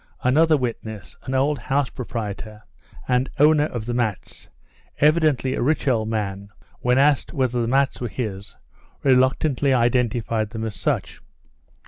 Another witness, an old house proprietor, and owner of the mats, evidently a rich old man, when asked whether the mats were his, reluctantly identified them as such.